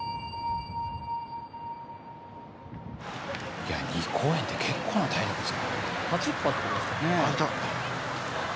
いや２公演って結構な体力使う。